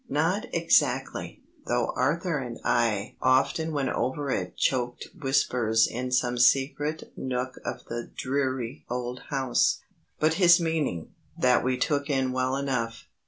Not exactly, though Arthur and I often went over it choked whispers in some secret nook of the dreary old house; but his meaning that we took in well enough.